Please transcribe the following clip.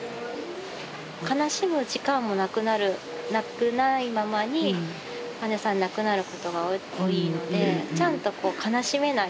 悲しむ時間もなくなるないままに患者さん亡くなることが多いのでちゃんとこう悲しめない。